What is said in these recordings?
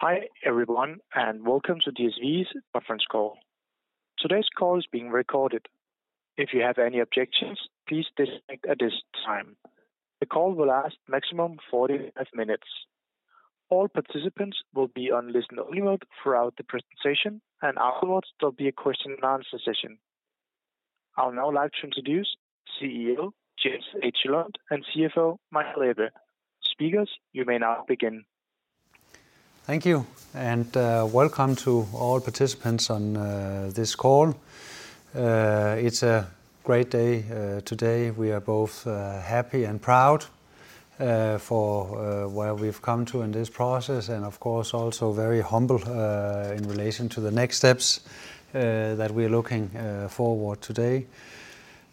Hi, everyone, and welcome to DSV's conference call. Today's call is being recorded. If you have any objections, please disconnect at this time. The call will last maximum 45 minutes. All participants will be on listen-only mode throughout the presentation, and afterwards, there'll be a question and answer session. I would now like to introduce CEO Jens H. Lund and CFO Michael Ebbe. Speakers, you may now begin. Thank you, and welcome to all participants on this call. It's a great day today. We are both happy and proud for where we've come to in this process, and of course, also very humble in relation to the next steps that we're looking forward today.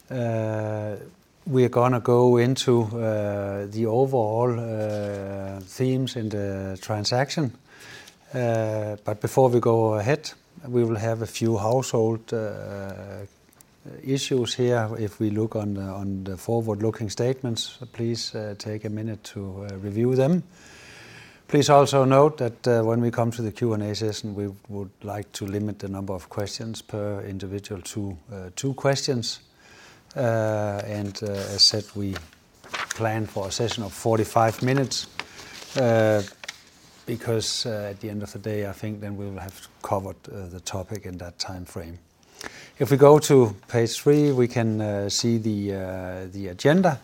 We're gonna go into the overall themes in the transaction, but before we go ahead, we will have a few housekeeping issues here. If we look at the forward-looking statements, please take a minute to review them. Please also note that when we come to the Q&A session, we would like to limit the number of questions per individual to two questions. As said, we plan for a session of 45 minutes, because at the end of the day, I think then we will have covered the topic in that time frame. If we go to page 3, we can see the agenda,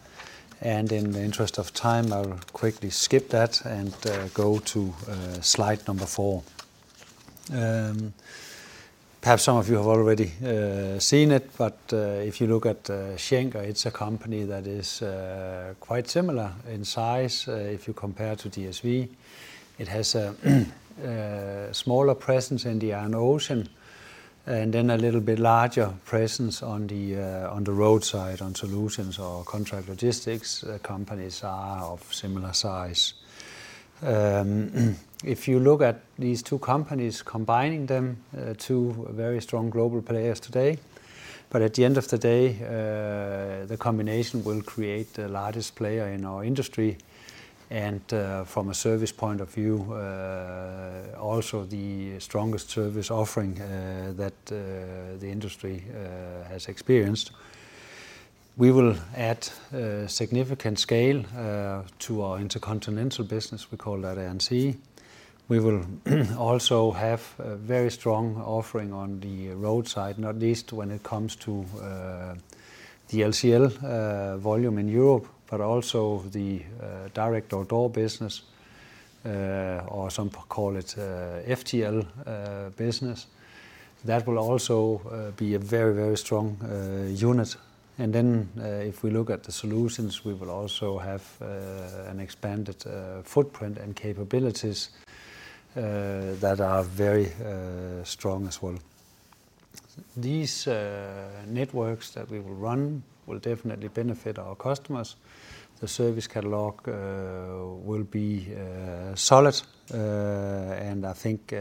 and in the interest of time, I'll quickly skip that and go to slide number 4. Perhaps some of you have already seen it, but if you look at Schenker, it's a company that is quite similar in size if you compare to DSV. It has a smaller presence in the ocean, and then a little bit larger presence on the Road side, on Solutions or contract logistics. Companies are of similar size. If you look at these two companies, combining them, two very strong global players today, but at the end of the day, the combination will create the largest player in our industry, and from a service point of view, also the strongest service offering that the industry has experienced. We will add significant scale to our intercontinental business, we call that A&S. We will also have a very strong offering on the Road side, not least when it comes to the LCL volume in Europe, but also the direct door-to-door business, or some call it FTL business. That will also be a very, very strong unit. And then, if we look at the Solutions, we will also have an expanded footprint and capabilities that are very strong as well. These networks that we will run will definitely benefit our customers. The service catalog will be solid. And I think,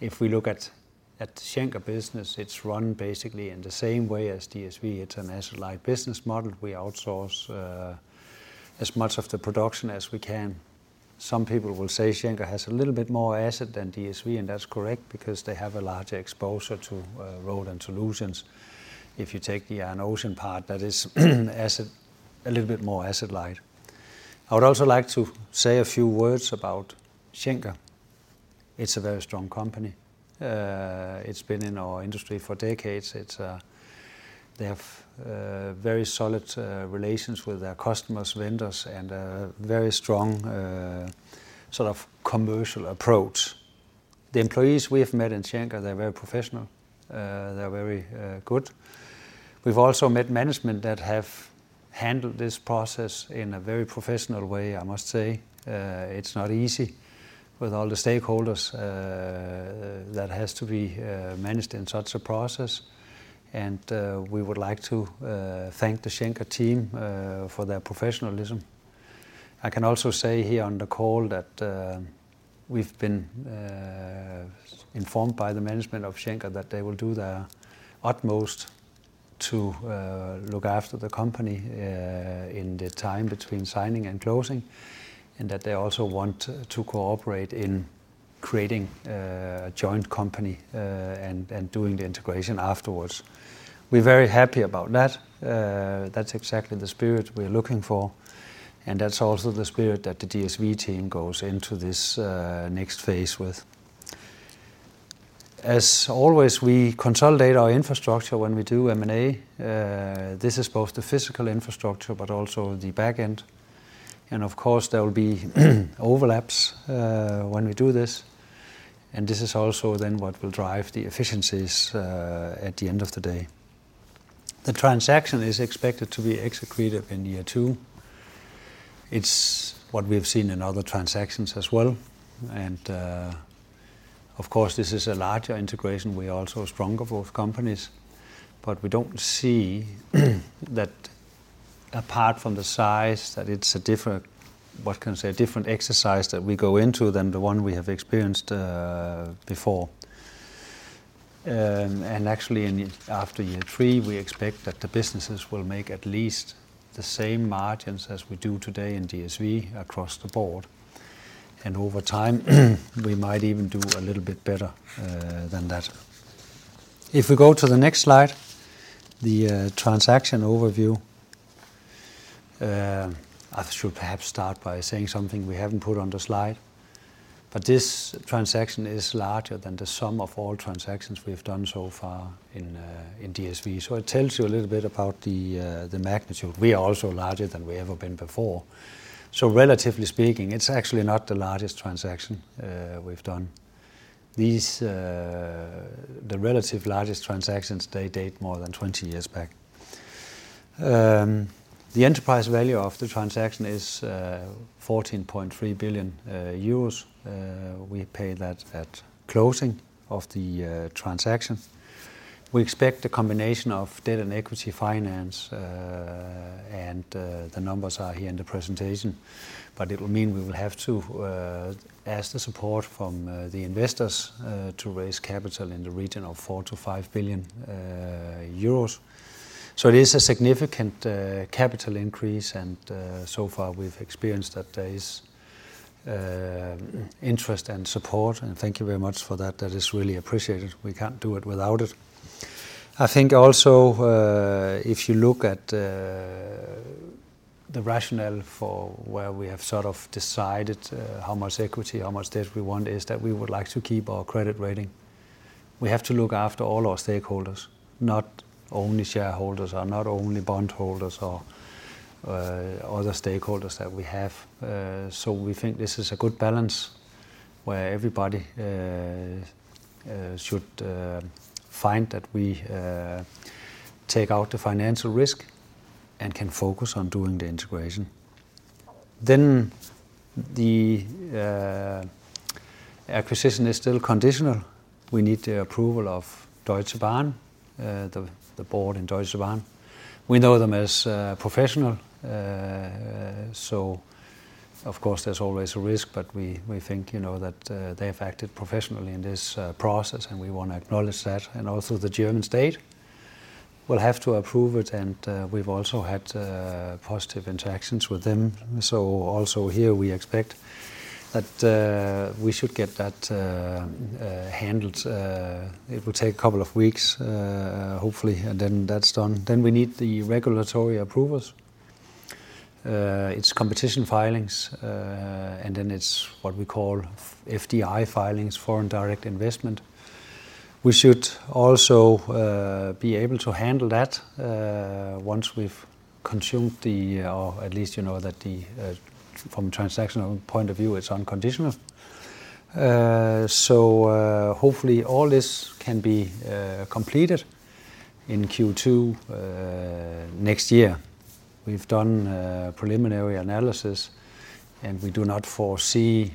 if we look at Schenker business, it's run basically in the same way as DSV. It's an asset-light business model. We outsource as much of the production as we can. Some people will say Schenker has a little bit more asset than DSV, and that's correct, because they have a larger exposure to Road and Solutions. If you take the ocean part, that is asset a little bit more asset-light. I would also like to say a few words about Schenker. It's a very strong company. It's been in our industry for decades. They have very solid relations with their customers, vendors, and a very strong sort of commercial approach. The employees we have met in Schenker, they're very professional. They're very good. We've also met management that have handled this process in a very professional way, I must say. It's not easy with all the stakeholders that has to be managed in such a process, and we would like to thank the Schenker team for their professionalism. I can also say here on the call that we've been informed by the management of Schenker that they will do their utmost to look after the company in the time between signing and closing, and that they also want to cooperate in creating a joint company and doing the integration afterwards. We're very happy about that. That's exactly the spirit we're looking for, and that's also the spirit that the DSV team goes into this next phase with. As always, we consolidate our infrastructure when we do M&A. This is both the physical infrastructure, but also the back end. And of course, there will be overlaps when we do this, and this is also then what will drive the efficiencies at the end of the day. The transaction is expected to be accretive in year two. It's what we've seen in other transactions as well, and of course, this is a larger integration. We are also stronger for both companies, but we don't see that apart from the size that it's a different, what can you say, a different exercise that we go into than the one we have experienced before. Actually, after year three, we expect that the businesses will make at least the same margins as we do today in DSV across the board. And over time, we might even do a little bit better than that. If we go to the next slide, the transaction overview. I should perhaps start by saying something we haven't put on the slide, but this transaction is larger than the sum of all transactions we've done so far in DSV. So it tells you a little bit about the magnitude. We are also larger than we ever been before. So relatively speaking, it's actually not the largest transaction we've done. The relative largest transactions, they date more than twenty years back. The enterprise value of the transaction is 14.3 billion euros. We pay that at closing of the transaction. We expect a combination of debt and equity finance, and the numbers are here in the presentation, but it will mean we will have to ask the support from the investors to raise capital in the region of 4-5 billion euros. So it is a significant capital increase, and so far we've experienced that there is interest and support, and thank you very much for that. That is really appreciated. We can't do it without it. I think also, if you look at the rationale for where we have sort of decided how much equity, how much debt we want, is that we would like to keep our credit rating. We have to look after all our stakeholders, not only shareholders or not only bondholders or other stakeholders that we have, so we think this is a good balance, where everybody should find that we take out the financial risk and can focus on doing the integration, then the acquisition is still conditional. We need the approval of Deutsche Bahn, the board in Deutsche Bahn. We know them as professional, so of course there's always a risk, but we think, you know, that they have acted professionally in this process, and we wanna acknowledge that, and also, the German state will have to approve it, and we've also had positive interactions with them, so also here we expect that we should get that handled. It will take a couple of weeks, hopefully, and then that's done. Then we need the regulatory approvals. It's competition filings, and then it's what we call FDI filings, foreign direct investment. We should also be able to handle that, once we've consumed the... or at least you know that the, from a transactional point of view, it's unconditional. So, hopefully all this can be completed in Q2 next year. We've done a preliminary analysis, and we do not foresee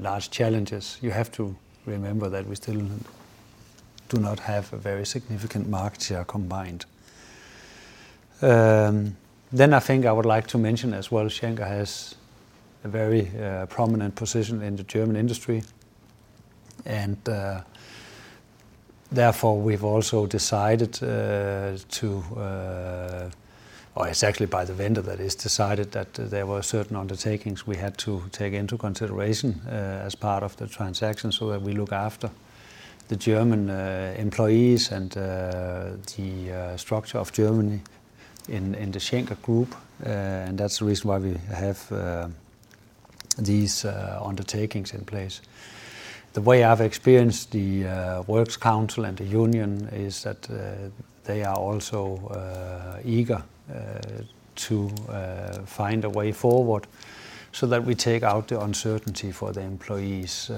large challenges. You have to remember that we still do not have a very significant market share combined. Then I think I would like to mention as well, Schenker has a very prominent position in the German industry, and therefore we've also decided to... or it's actually by the vendor that it's decided that there were certain undertakings we had to take into consideration, as part of the transaction, so that we look after the German employees and the structure of Germany in the Schenker Group. And that's the reason why we have these undertakings in place. The way I've experienced the Works Council and the union is that they are also eager to find a way forward so that we take out the uncertainty for the employees,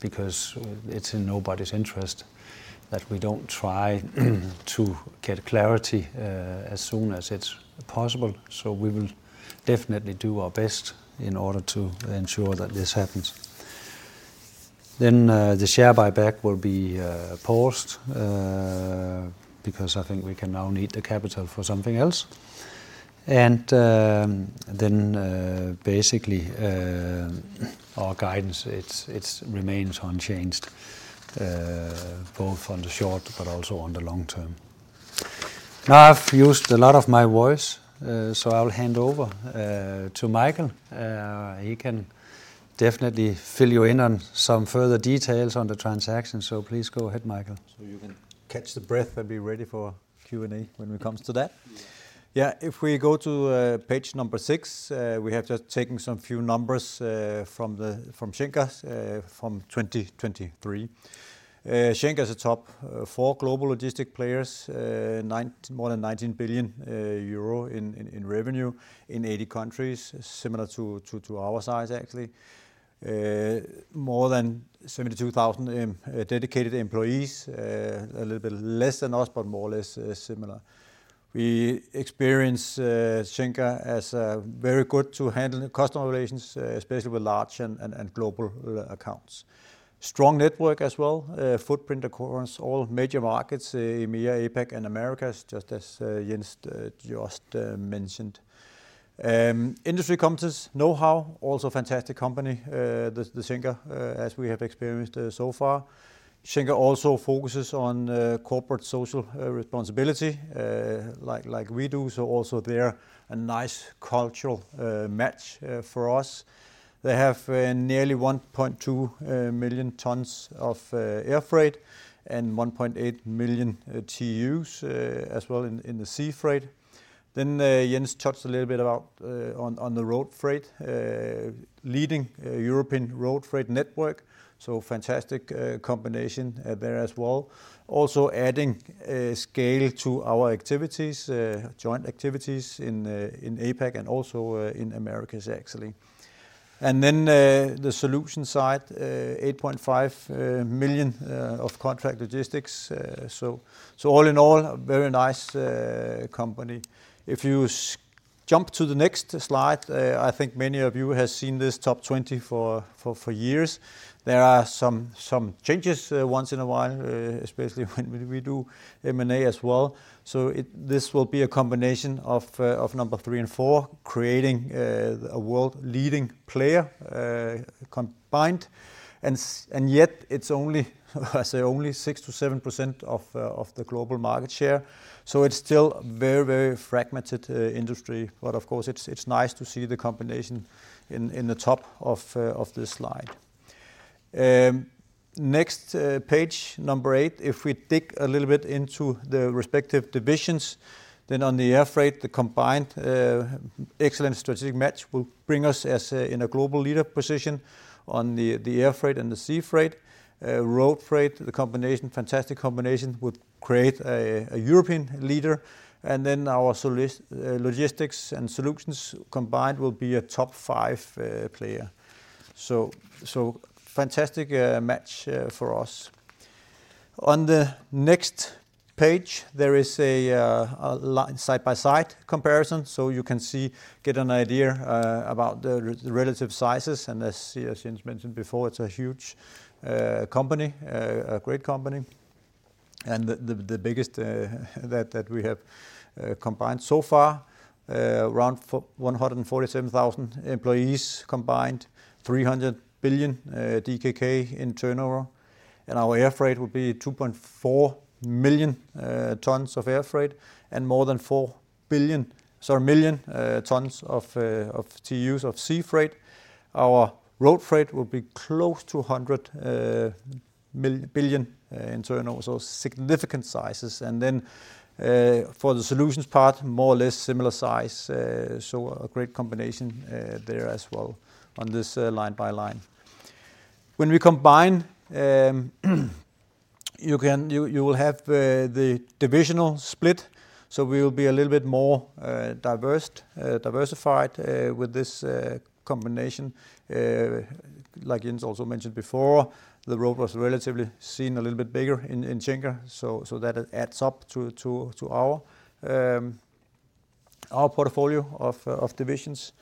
because it's in nobody's interest that we don't try to get clarity as soon as it's possible. So we will definitely do our best in order to ensure that this happens. Then, the share buyback will be paused, because I think we can now need the capital for something else and then, basically, our guidance remains unchanged, both on the short but also on the long term. Now, I've used a lot of my voice, so I'll hand over to Michael. He can definitely fill you in on some further details on the transaction, so please go ahead, Michael, so you can catch your breath and be ready for Q&A when it comes to that. Yeah, if we go to page number six, we have just taken some few numbers from Schenker from 2023. Schenker is a top four global logistics players, more than 19 billion euro in revenue, in 80 countries, similar to our size, actually. More than 72,000 dedicated employees, a little bit less than us, but more or less similar. We experience Schenker as very good to handle the customer relations, especially with large and global accounts. Strong network as well, footprint across all major markets, EMEA, APAC, and Americas, just as Jens just mentioned. Industry competence, know-how, also fantastic company, the Schenker, as we have experienced so far. Schenker also focuses on corporate social responsibility, like we do, so also they're a nice cultural match for us. They have nearly 1.2 million tons of air freight and 1.8 million TEUs as well in the sea freight. Then Jens touched a little bit about on the road freight. Leading European road freight network, so fantastic combination there as well. Also adding scale to our activities, joint activities in APAC and also in Americas, actually. And then the Solution side, 8.5 million of contract logistics. So all in all, a very nice company. If you jump to the next slide, I think many of you have seen this top 20 for years. There are some changes once in a while, especially when we do M&A as well. So this will be a combination of number three and four, creating a world-leading player combined, and yet it's only, I say only 6%-7% of the global market share. So it's still very, very fragmented industry, but of course, it's nice to see the combination in the top of this slide. Next page, number eight, if we dig a little bit into the respective divisions, then on the air freight, the combined excellent strategic match will bring us in a global leader position on the air freight and the sea freight. Road freight, the combination, fantastic combination, would create a European leader. And then our Solutions logistics and Solutions combined will be a top five player. So fantastic match for us. On the next page, there is a side-by-side comparison, so you can see, get an idea about the relative sizes, and as Jens mentioned before, it's a huge company, a great company, and the biggest that we have combined so far. Around 147,000 employees combined, 300 billion DKK in turnover, and our air freight will be 2.4 million tons of air freight, and more than 4 million, sorry, TEUs of sea freight. Our road freight will be close to 100 billion DKK in turnover, so significant sizes. And then, for the Solutions part, more or less similar size, so a great combination there as well on this line-by-line. When we combine, you can... You will have the divisional split, so we will be a little bit more diversified with this combination. Like Jens also mentioned before, the road was relatively seen a little bit bigger in Schenker, so that adds up to our portfolio of divisions,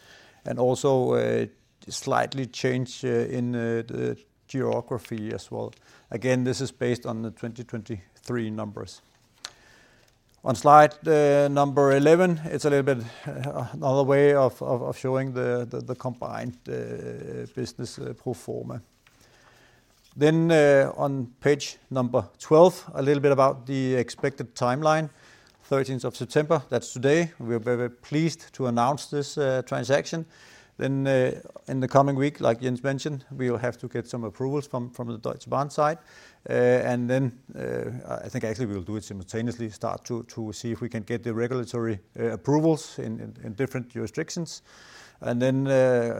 and also slightly change in the geography as well. Again, this is based on the 2023 numbers. On slide number 11, it's a little bit another way of showing the combined business pro forma. Then on page number 12, a little bit about the expected timeline. Thirteenth of September, that's today. We're very pleased to announce this transaction. Then in the coming week, like Jens mentioned, we will have to get some approvals from the Deutsche Bahn side. And then, I think actually we'll do it simultaneously, start to see if we can get the regulatory approvals in different jurisdictions. And then,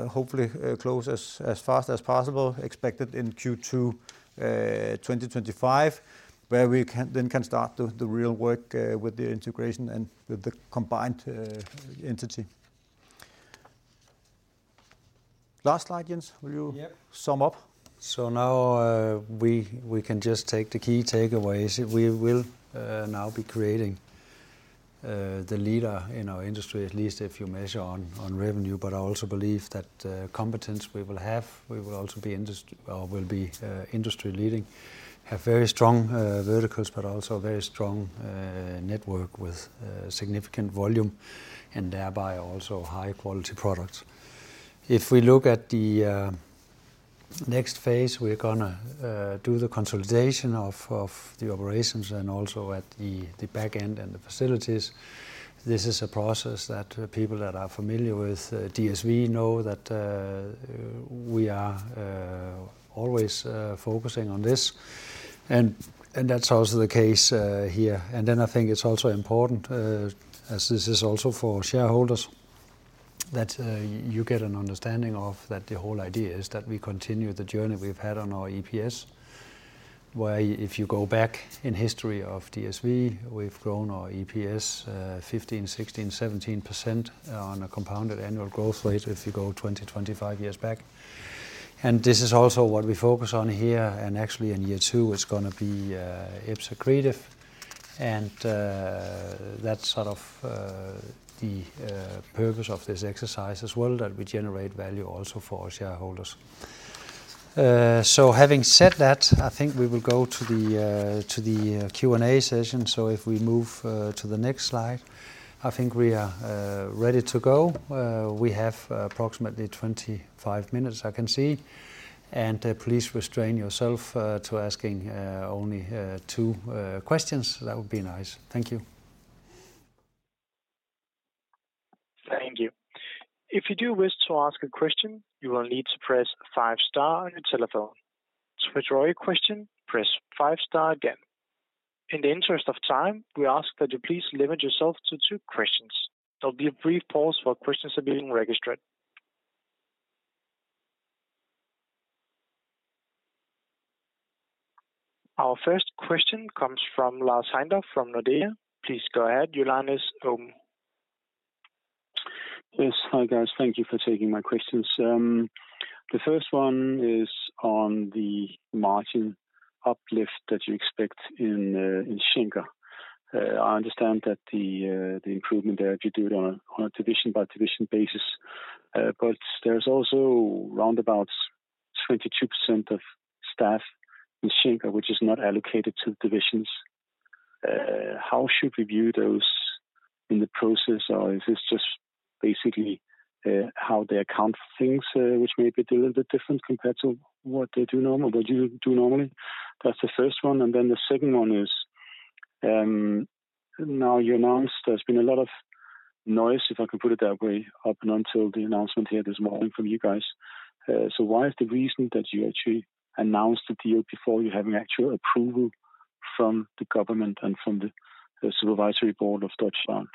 hopefully, close as fast as possible, expected in Q2 2025, where we can then start the real work with the integration and with the combined entity. Last slide, Jens, will you- Yep... sum up? So now, we can just take the key takeaways. We will now be creating the leader in our industry, at least if you measure on revenue, but I also believe that competence we will have, we will also be industry, or will be industry leading. Have very strong verticals, but also very strong network with significant volume, and thereby also high-quality products. If we look at the next phase, we're gonna do the consolidation of the operations and also at the back end and the facilities. This is a process that people that are familiar with DSV know that we are always focusing on this, and that's also the case here. And then I think it's also important, as this is also for shareholders, that you get an understanding of that the whole idea is that we continue the journey we've had on our EPS. Where if you go back in history of DSV, we've grown our EPS 15%-17% on a compounded annual growth rate if you go 20-25 years back. And this is also what we focus on here, and actually in year two, it's gonna be EPS accretive. And that's sort of the purpose of this exercise as well, that we generate value also for our shareholders. So having said that, I think we will go to the Q&A session. So if we move to the next slide, I think we are ready to go. We have approximately twenty-five minutes, I can see, and please restrain yourself to asking only two questions. That would be nice. Thank you. Thank you. If you do wish to ask a question, you will need to press five star on your telephone. To withdraw your question, press five star again. In the interest of time, we ask that you please limit yourself to two questions. There'll be a brief pause for questions are being registered. Our first question comes from Lars Heindorff, from Nordea. Please go ahead, your line is open. Yes. Hi, guys. Thank you for taking my questions. The first one is on the margin uplift that you expect in Schenker. I understand that the improvement there, if you do it on a division by division basis, but there's also around 22% of staff in Schenker, which is not allocated to the divisions. How should we view those in the process, or is this just basically how they account for things, which may be a little bit different compared to what you do normally? That's the first one, and then the second one is, now, you announced there's been a lot of noise, if I can put it that way, up until the announcement here this morning from you guys. So why is the reason that you actually announced the deal before you have an actual approval from the government and from the supervisory board of Deutsche Bahn?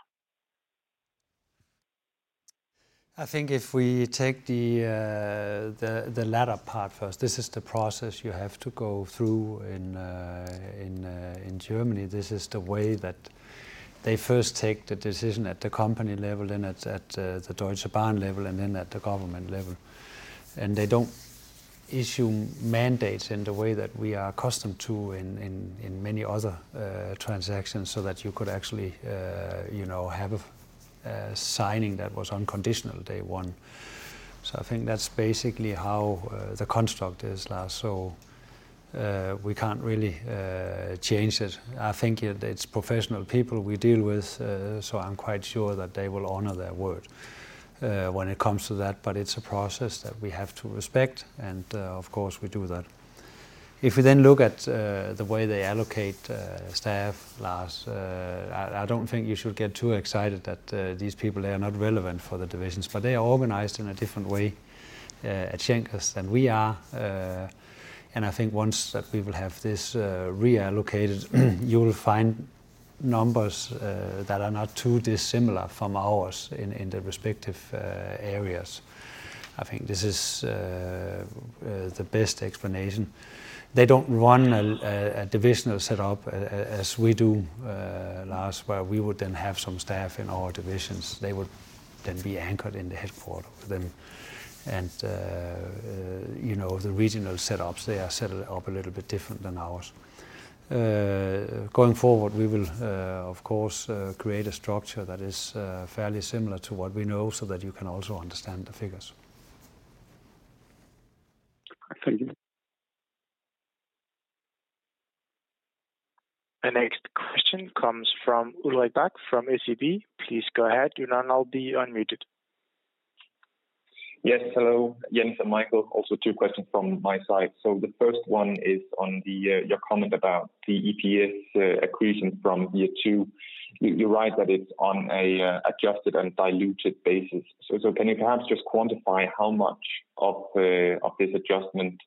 I think if we take the latter part first, this is the process you have to go through in Germany. This is the way that they first take the decision at the company level, then at the Deutsche Bahn level, and then at the government level, and they don't issue mandates in the way that we are accustomed to in many other transactions, so that you could actually you know have a signing that was unconditional day one, so I think that's basically how the construct is, Lars, so we can't really change it. I think it, it's professional people we deal with, so I'm quite sure that they will honor their word, when it comes to that, but it's a process that we have to respect, and, of course, we do that. If we then look at the way they allocate staff, Lars, I don't think you should get too excited that these people, they are not relevant for the divisions. But they are organized in a different way at Schenker than we are, and I think once that we will have this reallocated, you will find numbers that are not too dissimilar from ours in the respective areas. I think this is the best explanation. They don't run a divisional setup as we do, Lars, where we would then have some staff in our divisions. They would then be anchored in the headquarters for them, and you know, the regional setups, they are set up a little bit different than ours. Going forward, we will, of course, create a structure that is fairly similar to what we know, so that you can also understand the figures. Thank you. The next question comes from Ulrk Bak from SEB. Please go ahead. Your line is now unmuted. Yes, hello, Jens and Michael, also two questions from my side. So the first one is on the your comment about the EPS accretion from year two. You write that it's on a adjusted and diluted basis. So can you perhaps just quantify how much of this adjustment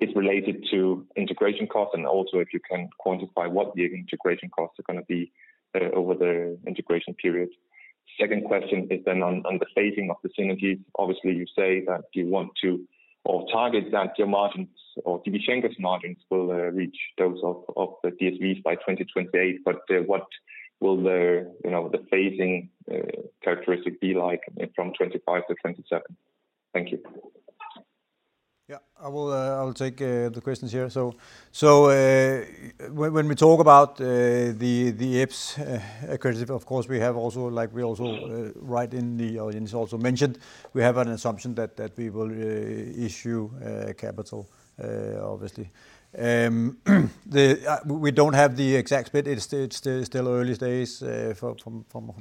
is related to integration costs? And also, if you can quantify what the integration costs are gonna be over the integration period. Second question is then on the phasing of the synergies. Obviously, you say that you want to, or target that your margins or DB Schenker's margins will reach those of the DSV's by 2028, but what will the you know, the phasing characteristic be like from 2025 to 2027? Thank you. Yeah. I will take the questions here. So, when we talk about the EPS accretive, of course, we have also like we also write in the... or it is also mentioned, we have an assumption that we will issue capital obviously. We don't have the exact split. It's still early days from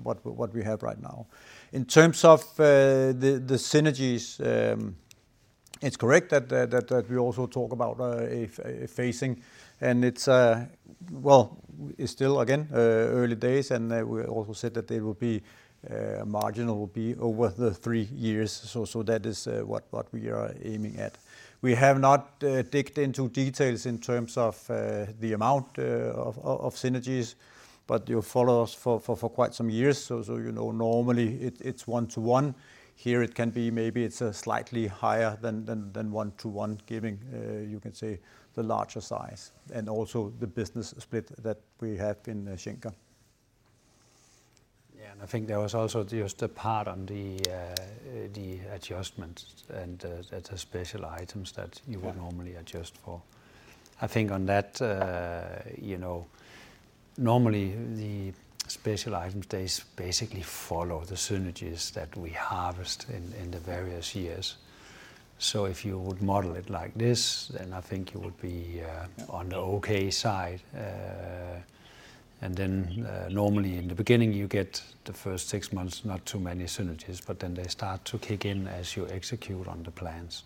what we have right now. In terms of the synergies, it's correct that we also talk about a phasing, and it's well, it's still again early days, and we also said that there will be marginal will be over the three years. So that is what we are aiming at. We have not dug into details in terms of the amount of synergies, but you follow us for quite some years, so you know, normally it, it's one to one. Here, it can be maybe it's slightly higher than one to one, giving you can say, the larger size, and also the business split that we have in Schenker. Yeah, and I think there was also just the part on the adjustments and the special items that you would- Yeah Normally adjust for. I think on that, you know, normally the special item days basically follow the synergies that we harvest in, in the various years. So if you would model it like this, then I think you would be on the okay side. And then, normally in the beginning, you get the first six months, not too many synergies, but then they start to kick in as you execute on the plans.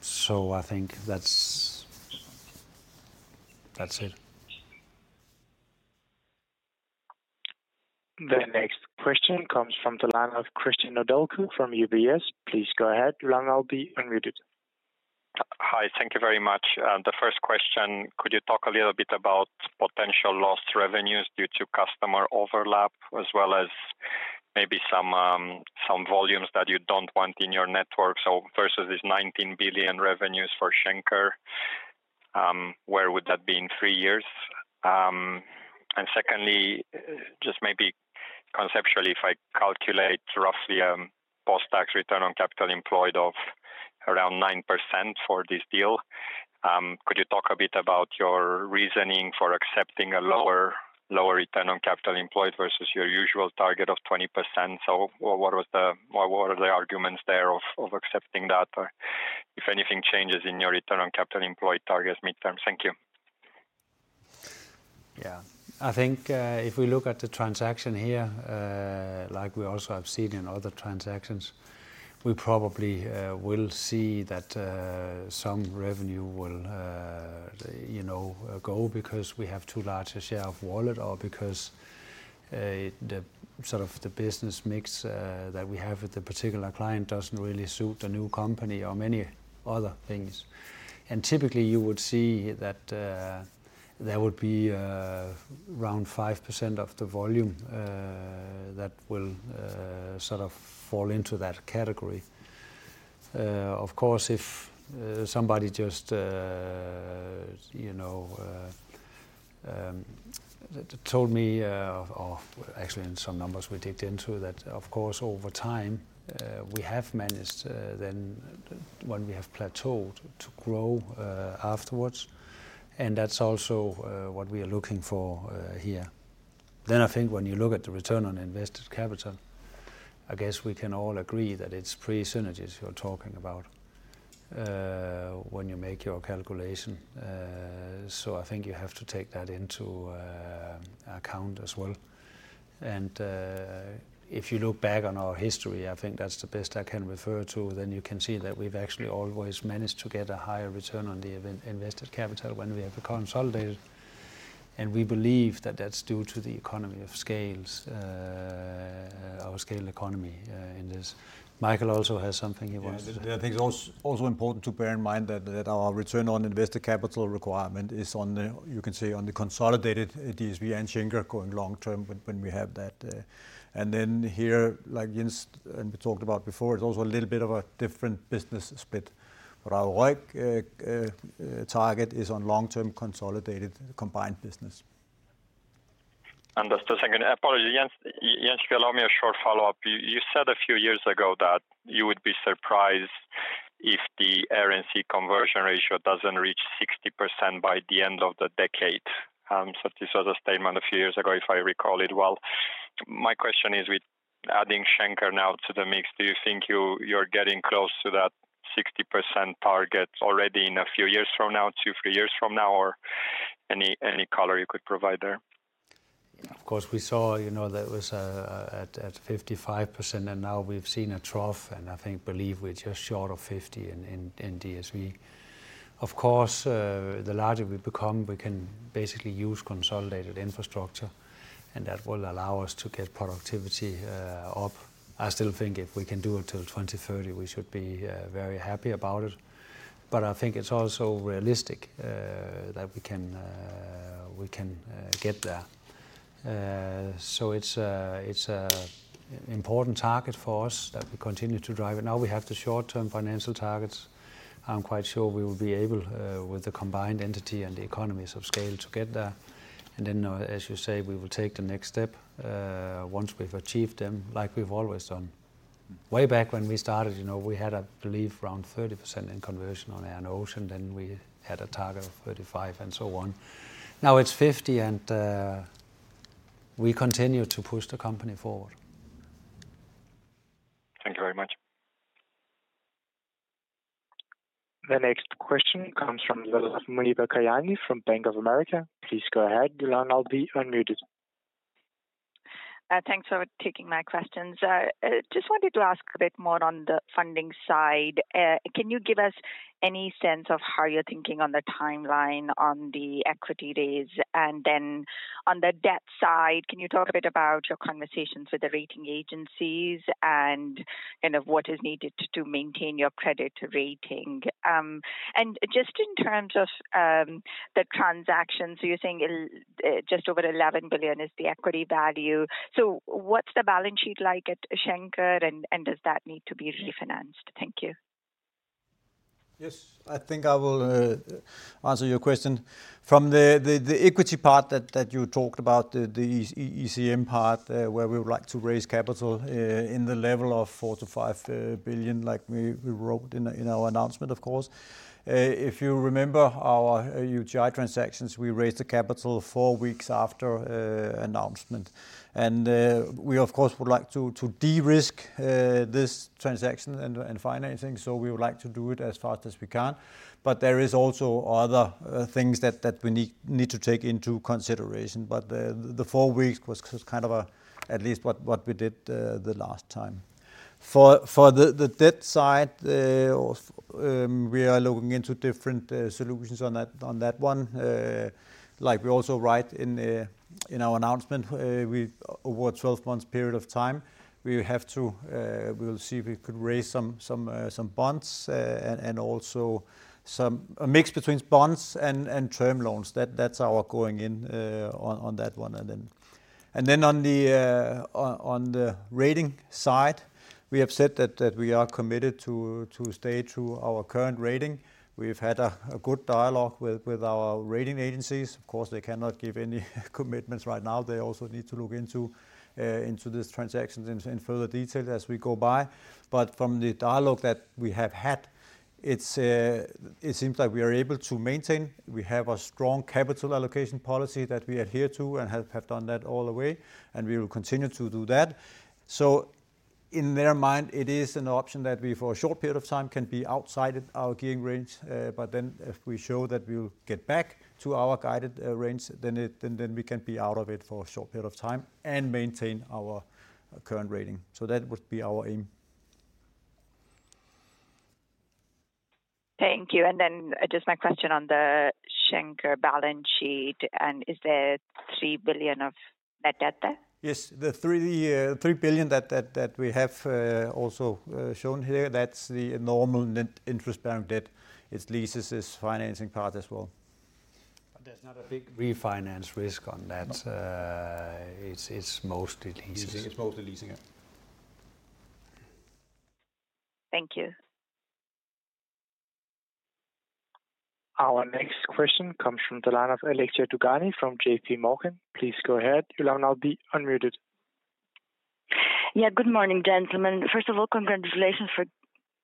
So I think that's, that's it. The next question comes from the line of Cristian Nedelcu from UBS. Please go ahead. Your line is now unmuted. Hi. Thank you very much. The first question, could you talk a little bit about potential lost revenues due to customer overlap, as well as maybe some volumes that you don't want in your network? So versus this 19 billion revenues for Schenker, where would that be in three years? And secondly, just maybe conceptually, if I calculate roughly, post-tax return on capital employed of around 9% for this deal, could you talk a bit about your reasoning for accepting a lower return on capital employed versus your usual target of 20%? So what was the... What are the arguments there of accepting that, or if anything changes in your return on capital employed targets midterm? Thank you. Yeah. I think if we look at the transaction here, like we also have seen in other transactions, we probably will see that some revenue will, you know, go because we have too large a share of wallet or because the sort of the business mix that we have with the particular client doesn't really suit the new company or many other things. And typically, you would see that there would be around 5% of the volume that will sort of fall into that category. Of course, if somebody just, you know, told me, or actually in some numbers we dug into that, of course, over time, we have managed, then when we have plateaued, to grow, afterwards, and that's also what we are looking for here. Then I think when you look at the return on invested capital, I guess we can all agree that it's pre-synergies we're talking about when you make your calculation. So I think you have to take that into account as well. And if you look back on our history, I think that's the best I can refer to, then you can see that we've actually always managed to get a higher return on the invested capital when we have consolidated. And we believe that that's due to the economies of scale, our scale economy, in this. Michael also has something he wants to- Yeah, I think it's also important to bear in mind that our return on invested capital requirement is on the, you can say, on the consolidated DSV and Schenker going long term, when we have that. And then here, like Jens, and we talked about before, it's also a little bit of a different business split. But our ROIC target is on long-term, consolidated, combined business. Understood. Second, I apologize, Jens. Jens, allow me a short follow-up. You, you said a few years ago that you would be surprised if the A&S conversion ratio doesn't reach 60% by the end of the decade. So this was a statement a few years ago, if I recall it well. My question is, with adding Schenker now to the mix, do you think you, you're getting close to that 60% target already in a few years from now, two, three years from now, or any, any color you could provide there? Of course, we saw, you know, that was at 55%, and now we've seen a trough, and I think believe we're just short of 50 in DSV. Of course, the larger we become, we can basically use consolidated infrastructure, and that will allow us to get productivity up. I still think if we can do it till 2030, we should be very happy about it. But I think it's also realistic that we can get there. So it's an important target for us, that we continue to drive it. Now, we have the short-term financial targets. I'm quite sure we will be able, with the combined entity and the economies of scale, to get there. And then, as you say, we will take the next step, once we've achieved them, like we've always done. Way back when we started, you know, we had, I believe, around 30% in conversion on air and ocean, then we had a target of 35, and so on. Now, it's 50, and we continue to push the company forward. Thank you very much. The next question comes from Muneeba Kayani from Bank of America. Please go ahead. Your line now be unmuted. Thanks for taking my questions. Just wanted to ask a bit more on the funding side. Can you give us any sense of how you're thinking on the timeline on the equity raise? And then on the debt side, can you talk a bit about your conversations with the rating agencies and kind of what is needed to maintain your credit rating? And just in terms of the transactions, you're saying it's just over eleven billion is the equity value. So what's the balance sheet like at Schenker, and does that need to be refinanced? Thank you. ... Yes, I think I will answer your question. From the equity part that you talked about, the ECM part, where we would like to raise capital in the level of four to five billion, like we wrote in our announcement, of course. If you remember our UTi transactions, we raised the capital four weeks after announcement. And we, of course, would like to de-risk this transaction and financing, so we would like to do it as fast as we can. But there is also other things that we need to take into consideration. But the four weeks was kind of a, at least what we did the last time. For the debt side of we are looking into different solutions on that one. Like we also write in our announcement, over a twelve months period of time, we have to, we'll see if we could raise some bonds and also some. A mix between bonds and term loans. That's our going in on that one. And then on the rating side, we have said that we are committed to stay to our current rating. We've had a good dialogue with our rating agencies. Of course, they cannot give any commitments right now. They also need to look into these transactions in further detail as we go by. But from the dialogue that we have had, it's, it seems like we are able to maintain. We have a strong capital allocation policy that we adhere to and have done that all the way, and we will continue to do that. So in their mind, it is an option that we, for a short period of time, can be outside of our gearing range. But then if we show that we'll get back to our guided, range, then we can be out of it for a short period of time and maintain our current rating. So that would be our aim. Thank you. And then just my question on the Schenker balance sheet, and is there three billion of net debt there? Yes. The three billion that we have also shown here, that's the normal net interest-bearing debt. It's leases, it's financing part as well. But there's not a big refinance risk on that. No. It's mostly leases. It's mostly leasing, yeah. Thank you. Our next question comes from the line of Alexia Dogani from J.P. Morgan. Please go ahead. You'll now be unmuted. Yeah. Good morning, gentlemen. First of all, congratulations for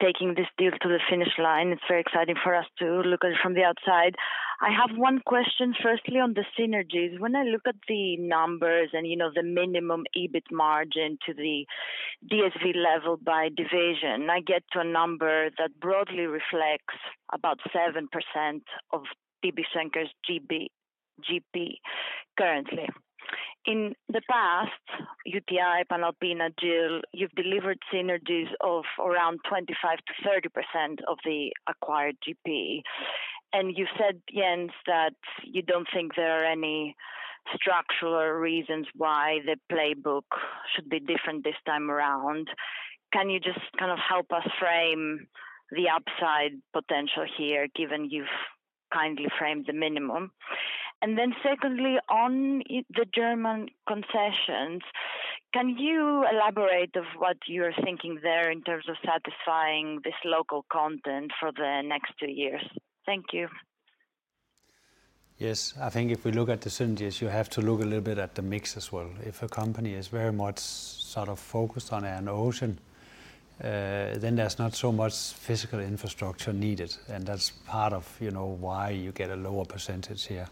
taking this deal to the finish line. It's very exciting for us to look at it from the outside. I have one question, firstly, on the synergies. When I look at the numbers and, you know, the minimum EBIT margin to the DSV level by division, I get to a number that broadly reflects about 7% of DB Schenker's GP currently. In the past, UTi Panalpina deal, you've delivered synergies of around 25%-30% of the acquired GP, and you've said, Jens, that you don't think there are any structural reasons why the playbook should be different this time around. Can you just kind of help us frame the upside potential here, given you've kindly framed the minimum? Then secondly, on the German concessions, can you elaborate on what you're thinking there in terms of satisfying this local content for the next two years? Thank you. Yes. I think if we look at the synergies, you have to look a little bit at the mix as well. If a company is very much sort of focused on air and ocean, then there's not so much physical infrastructure needed, and that's part of, you know, why you get a lower percentage here.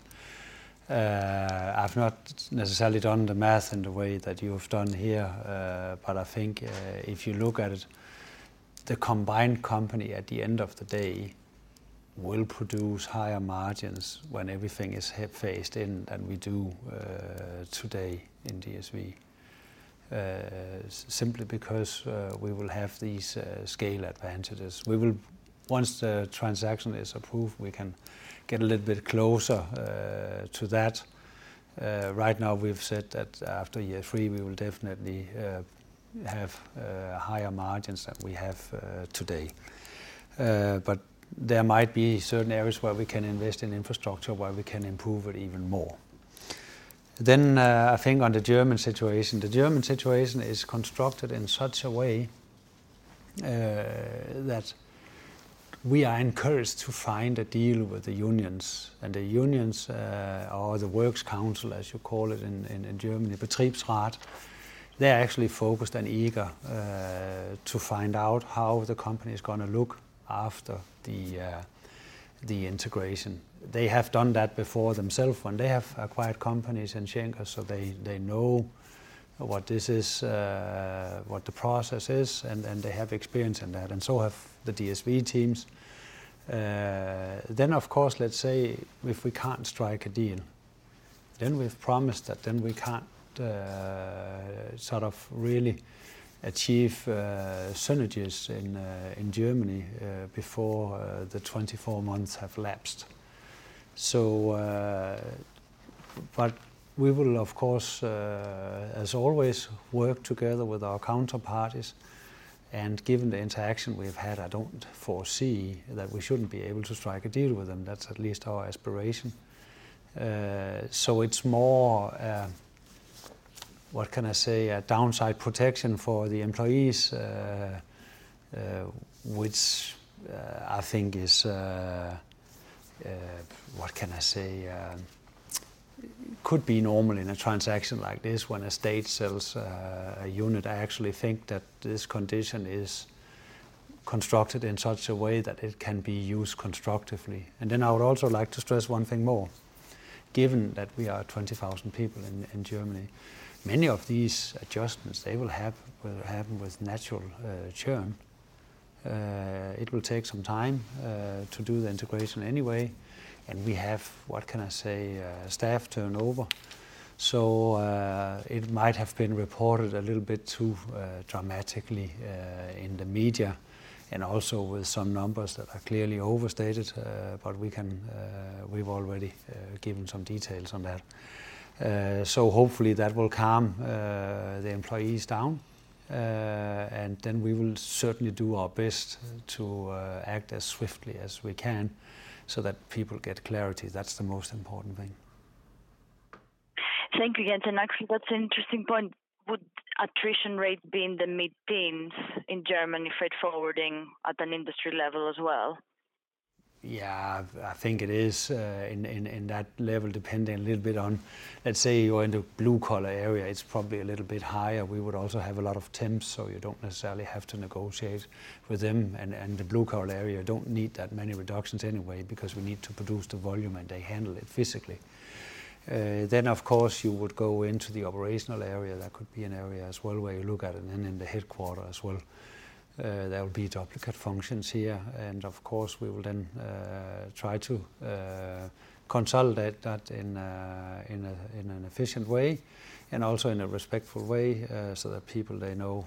I've not necessarily done the math in the way that you have done here, but I think, if you look at it, the combined company, at the end of the day, will produce higher margins when everything is have phased in than we do, today in DSV. Simply because, we will have these, scale advantages. We will... Once the transaction is approved, we can get a little bit closer, to that. Right now, we've said that after year three, we will definitely have higher margins than we have today. But there might be certain areas where we can invest in infrastructure, where we can improve it even more. Then, I think on the German situation, it is constructed in such a way that we are encouraged to find a deal with the unions. And the unions, or the works council, as you call it in Germany, Betriebsrat, they're actually focused and eager to find out how the company is gonna look after the integration. They have done that before themselves when they have acquired companies in Schenker, so they know what this is, what the process is, and they have experience in that, and so have the DSV teams. Then, of course, let's say if we can't strike a deal, then we've promised that then we can't sort of really achieve synergies in Germany before the twenty-four months have lapsed. So, but we will, of course, as always, work together with our counterparties, and given the interaction we've had, I don't foresee that we shouldn't be able to strike a deal with them. That's at least our aspiration. So it's more... What can I say? A downside protection for the employees, which I think is what can I say? Could be normal in a transaction like this when a state sells a unit. I actually think that this condition is constructed in such a way that it can be used constructively. And then I would also like to stress one thing more, given that we are 20,000 people in Germany. Many of these adjustments they will happen with natural churn. It will take some time to do the integration anyway, and we have, what can I say, staff turnover. So, it might have been reported a little bit too dramatically in the media, and also with some numbers that are clearly overstated, but we can. We've already given some details on that. So hopefully, that will calm the employees down, and then we will certainly do our best to act as swiftly as we can so that people get clarity. That's the most important thing. Thank you again. And actually, that's an interesting point. Would attrition rate be in the mid-teens in Germany, freight forwarding at an industry level as well? Yeah, I think it is in that level, depending a little bit on, let's say, you're in the blue-collar area. It's probably a little bit higher. We would also have a lot of temps, so you don't necessarily have to negotiate with them. And the blue-collar area don't need that many reductions anyway, because we need to produce the volume, and they handle it physically. Then, of course, you would go into the operational area. That could be an area as well, where you look at it, and then in the headquarters as well. There will be duplicate functions here, and of course, we will then try to consolidate that in an efficient way and also in a respectful way, so that people they know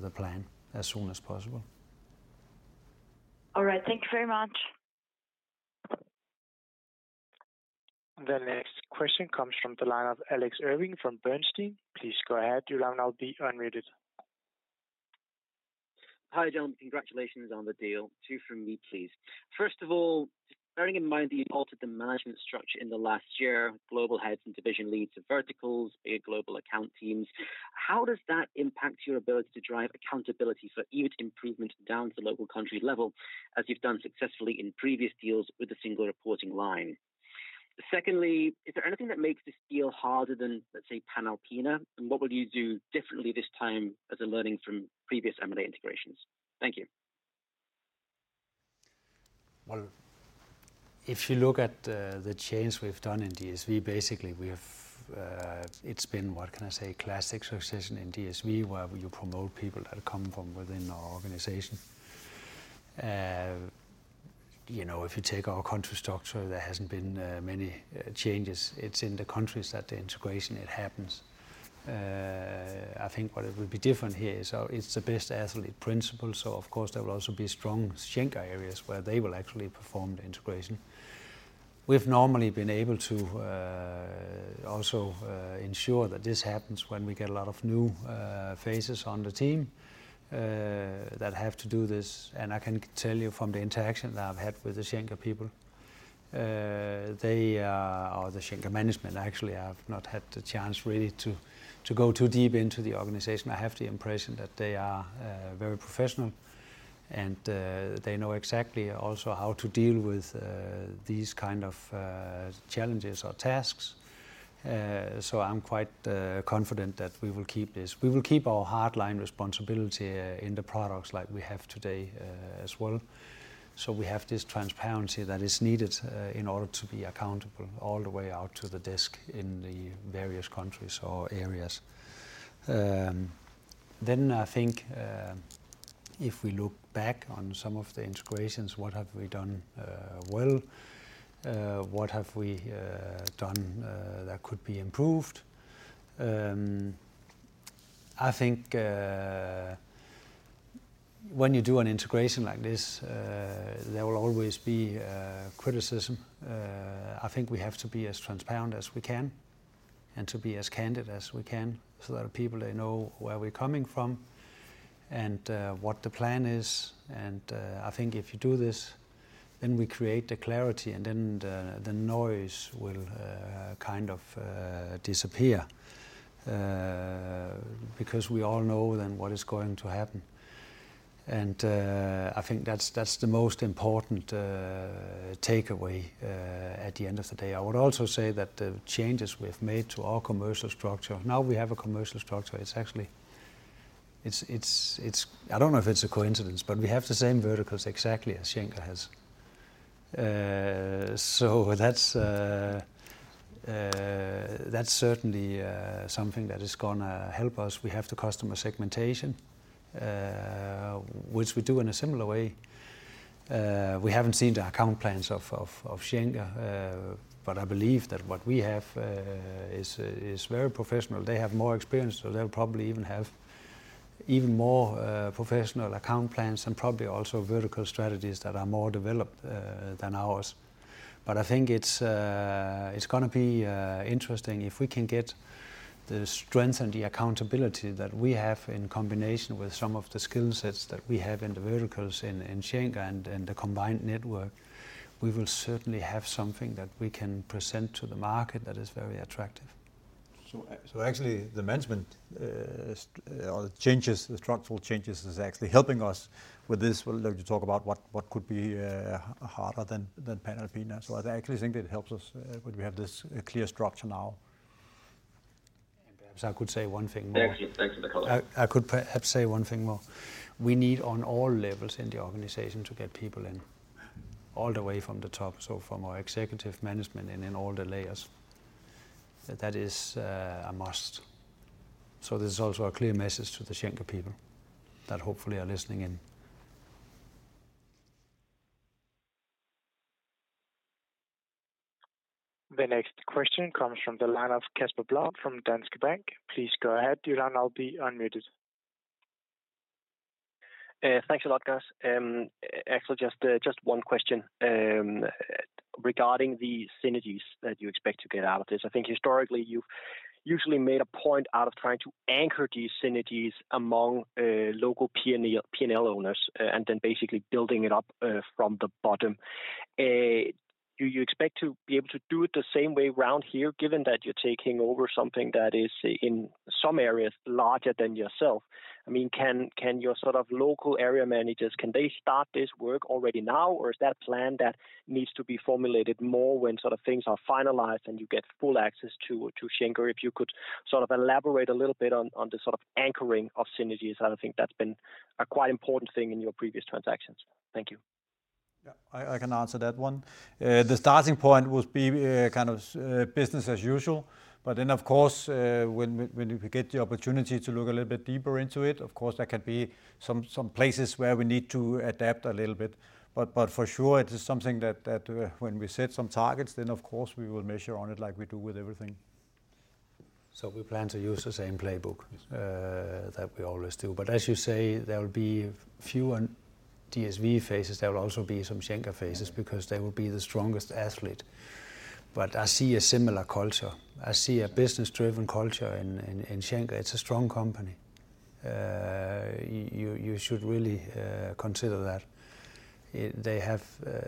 the plan as soon as possible. All right. Thank you very much. The next question comes from the line of Alex Irving from Bernstein. Please go ahead. Your line will now be unmuted. Hi, gentlemen. Congratulations on the deal. Two from me, please. First of all, just bearing in mind that you've altered the management structure in the last year, global heads and division leads of verticals, big global account teams, how does that impact your ability to drive accountability for each improvement down to the local country level, as you've done successfully in previous deals with a single reporting line? Secondly, is there anything that makes this deal harder than, let's say, Panalpina, and what would you do differently this time as a learning from previous M&A integrations? Thank you. If you look at the changes we've done in DSV, basically, we have. It's been, what can I say, classic succession in DSV, where you promote people that come from within our organization. You know, if you take our country structure, there hasn't been many changes. It's in the countries that the integration, it happens. I think what it will be different here is, it's the best athlete principle, so of course, there will also be strong Schenker areas where they will actually perform the integration. We've normally been able to also ensure that this happens when we get a lot of new faces on the team that have to do this. I can tell you from the interaction that I've had with the Schenker people. They are, or the Schenker management, actually. I've not had the chance really to go too deep into the organization. I have the impression that they are very professional, and they know exactly also how to deal with these kind of challenges or tasks. I'm quite confident that we will keep this. We will keep our hard line responsibility in the products like we have today as well. We have this transparency that is needed in order to be accountable all the way out to the desk in the various countries or areas. I think if we look back on some of the integrations, what have we done well? What have we done that could be improved? I think when you do an integration like this, there will always be criticism. I think we have to be as transparent as we can and to be as candid as we can, so that people they know where we're coming from and what the plan is. And I think if you do this, then we create the clarity, and then the noise will kind of disappear because we all know then what is going to happen. And I think that's the most important takeaway at the end of the day. I would also say that the changes we've made to our commercial structure... Now we have a commercial structure. It's actually. I don't know if it's a coincidence, but we have the same verticals exactly as Schenker has. So that's certainly something that is gonna help us. We have the customer segmentation, which we do in a similar way. We haven't seen the account plans of Schenker, but I believe that what we have is very professional. They have more experience, so they'll probably even have more professional account plans and probably also vertical strategies that are more developed than ours. But I think it's gonna be interesting if we can get the strength and the accountability that we have in combination with some of the skill sets that we have in the verticals in Schenker and the combined network. We will certainly have something that we can present to the market that is very attractive. So actually, the structural changes is actually helping us with this. Well, like you talk about what could be harder than panalpina. So I actually think it helps us when we have this clear structure now. Perhaps I could say one thing more. Thank you. Thank you, Nikolaj. I could perhaps say one thing more. We need, on all levels in the organization, to get people in, all the way from the top, so from our executive management and in all the layers. That is a must. So this is also a clear message to the Schenker people, that hopefully are listening in. The next question comes from the line of Casper Blom from Danske Bank. Please go ahead, your line now be unmuted. Thanks a lot, guys. Actually, just one question. Regarding the synergies that you expect to get out of this. I think historically, you've usually made a point out of trying to anchor these synergies among local P&L, P&L owners, and then basically building it up from the bottom. Do you expect to be able to do it the same way around here, given that you're taking over something that is, in some areas, larger than yourself? I mean, can your sort of local area managers start this work already now, or is that a plan that needs to be formulated more when sort of things are finalized and you get full access to Schenker? If you could sort of elaborate a little bit on, on the sort of anchoring of synergies, I think that's been a quite important thing in your previous transactions. Thank you. Yeah, I can answer that one. The starting point will be kind of business as usual, but then, of course, when we get the opportunity to look a little bit deeper into it, of course, there can be some places where we need to adapt a little bit. But for sure, it is something that when we set some targets, then of course, we will measure on it like we do with everything. So we plan to use the same playbook- Yes... that we always do. But as you say, there will be fewer DSV phases. There will also be some Schenker phases- Yeah Because they will be the strongest athlete. But I see a similar culture. I see a business-driven culture in Schenker. It's a strong company. You should really consider that. They have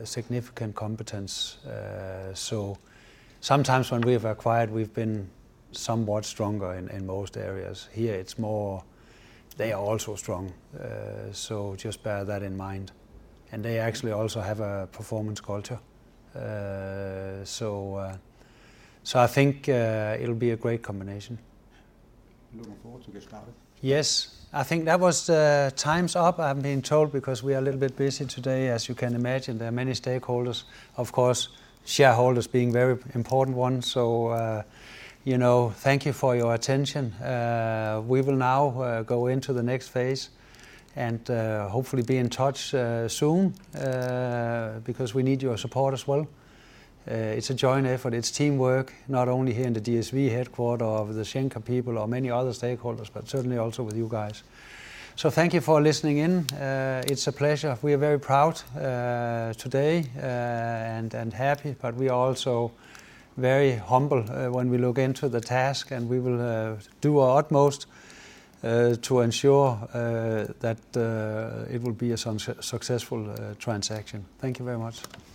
significant competence. So sometimes when we have acquired, we've been somewhat stronger in most areas. Here, it's more they are also strong. So just bear that in mind. And they actually also have a performance culture. So I think it'll be a great combination. Looking forward to get started. Yes. I think that was the... Time's up, I've been told, because we are a little bit busy today, as you can imagine. There are many stakeholders, of course, shareholders being very important one. So, you know, thank you for your attention. We will now go into the next phase and, hopefully, be in touch, soon, because we need your support as well. It's a joint effort. It's teamwork, not only here in the DSV headquarters of the Schenker people or many other stakeholders, but certainly also with you guys. So thank you for listening in. It's a pleasure. We are very proud today and happy, but we are also very humble when we look into the task, and we will do our utmost to ensure that it will be a successful transaction. Thank you very much.